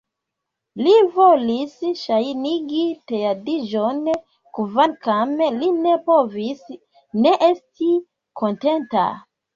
Li volis ŝajnigi tediĝon, kvankam li ne povis ne esti kontenta.